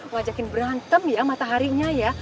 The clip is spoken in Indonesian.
ngajakin berantem ya mataharinya ya